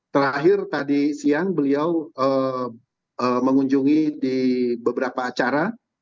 terakhir tadi siang beliau mengunjungi di beberapa acara